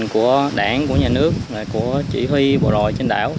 của đảng của nhà nước của chỉ huy bộ ròi trên đảo